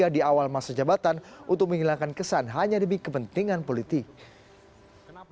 di awal masa jabatan untuk menghilangkan kesan hanya demi kepentingan politik kenapa